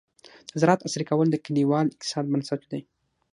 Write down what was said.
د زراعت عصري کول د کليوال اقتصاد بنسټ دی.